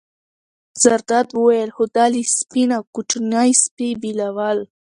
زرداد وویل: خو دا له سپۍ نه کوچنی سپی بېلول.